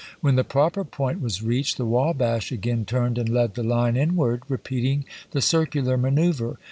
When the proper point was reached the Wabash again turned and led the line inward, repeating the circular manoeuvre.